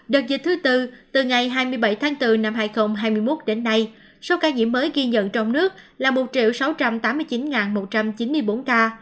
đợt dịch thứ tư từ ngày hai mươi bảy tháng bốn năm hai nghìn hai mươi một đến nay số ca nhiễm mới ghi nhận trong nước là một sáu trăm tám mươi chín một trăm chín mươi bốn ca